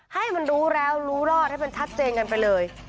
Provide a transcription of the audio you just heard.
ให้มันรู้แล้วรู้รอดให้มันชัดเจนกันไปเลย